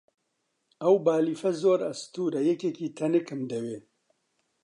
ئەو بالیفە زۆر ئەستوورە، یەکێکی تەنکم دەوێ.